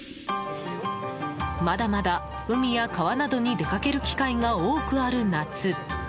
まだまだ、海や川などに出かける機会が多くある夏。